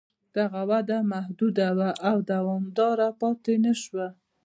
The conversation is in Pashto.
دغه وده محدوده وه او دوامداره پاتې نه شوه.